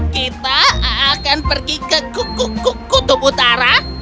kita akan pergi ke kutub utara